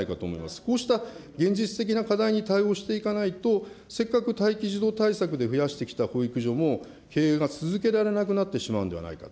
こうした現実的な課題に対応していかないと、せっかく待機児童対策で増やしてきた保育所も、経営が続けられなくなってしまうんではないかと。